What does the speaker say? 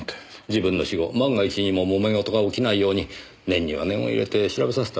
自分の死後万が一にももめ事が起きないように念には念を入れて調べさせたのでしょう。